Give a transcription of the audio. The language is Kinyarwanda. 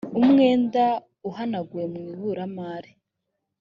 umwenda uhanaguwe mu ibaruramari